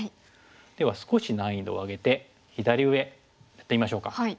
では少し難易度を上げて左上やってみましょうか。